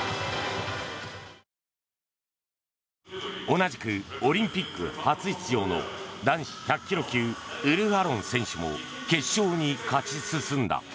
同じくオリンピック初出場の男子１００ｋｇ級ウルフ・アロン選手も決勝に勝ち進んだ。